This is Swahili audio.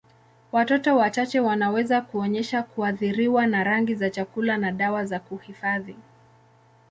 Watoto wachache wanaweza kuonyesha kuathiriwa na rangi za chakula na dawa za kuhifadhi.